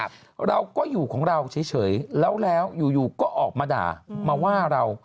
แล้วก็อยู่ของเราเฉยแล้วแล้วอยู่ก็ออกมาด่า